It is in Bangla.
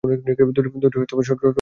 দুটো শত্রু বিমান দেখা যাচ্ছে।